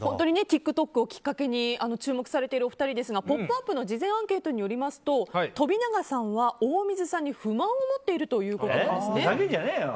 ＴｉｋＴｏｋをきっかけに注目されているお二人ですが「ポップＵＰ！」の事前アンケートによりますと飛永さんは大水さんに不満を持っているということなんです。